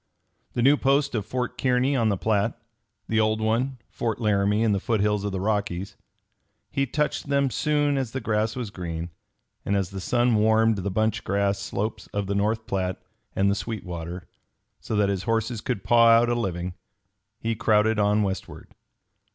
The new post of Fort Kearny on the Platte; the old one, Fort Laramie in the foothills of the Rockies he touched them soon as the grass was green; and as the sun warmed the bunch grass slopes of the North Platte and the Sweetwater, so that his horses could paw out a living, he crowded on westward.